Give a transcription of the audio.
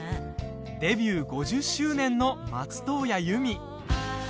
デビュー５０周年の松任谷由実。